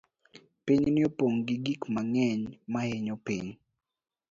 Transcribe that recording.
Pinyni opong' gi gik mang'eny ma hinyo piny.